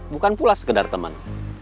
bukan pula sekedar teman